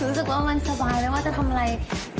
รู้สึกว่ามันสบายแล้วว่าจะทำอะไร